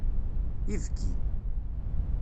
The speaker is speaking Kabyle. Ibki.